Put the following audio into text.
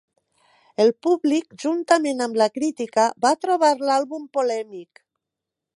El públic, juntament amb la crítica, va trobar l'àlbum polèmic.